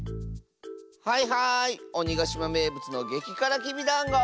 はいはいおにがしまめいぶつのげきからきびだんご。